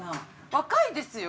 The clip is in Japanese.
若いですよ。